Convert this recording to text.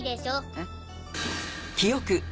えっ？